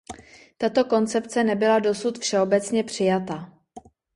Tato koncepce nebyla dosud všeobecně přijata.